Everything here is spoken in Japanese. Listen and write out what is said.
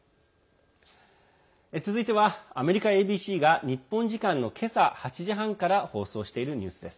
続いては、アメリカＡＢＣが日本時間の今朝８時半から放送しているニュースです。